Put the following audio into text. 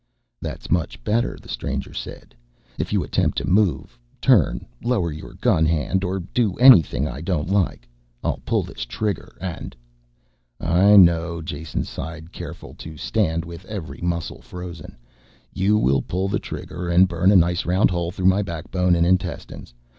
"That's much better," the stranger said. "If you attempt to move, turn, lower your gun hand or do anything I don't like I'll pull this trigger and...." "I know," Jason sighed, careful to stand with every muscle frozen. "You will pull the trigger and burn a nice round hole through my backbone and intestines.